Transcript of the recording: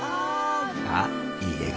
あっいい笑顔。